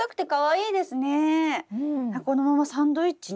このままサンドイッチに？